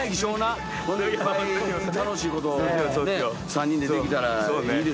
いっぱい楽しいこと３人でできたらいいですよね。